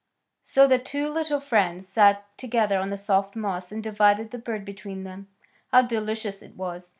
So the two little friends sat there on the soft moss and divided the bird between them. How delicious it was!